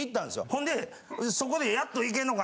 ほんでそこでやっと行けんのかな